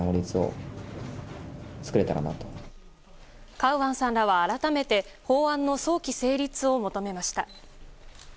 カウアンさんらは、改めて法案の早期成立を求めました。